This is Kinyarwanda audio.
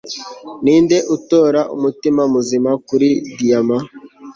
ninde utora umutima muzima kuri diyama